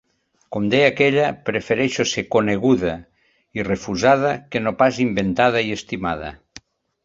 Com deia aquella, prefereixo ser coneguda i refusada que no pas inventada i estimada.